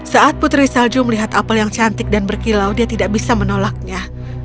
saat putri salju melihat apel yang cantik dan berkilau dia tidak bisa menolaknya